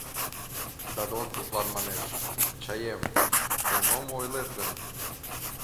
— Дадон тудлан манеш, Ачаем, тый мом ойлет гын?